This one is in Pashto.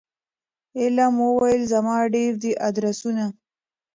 علم وویل زما ډیر دي آدرسونه